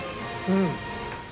うん！